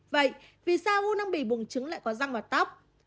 vậy vì sao u năng bị buồn trứng lại có răng và tóc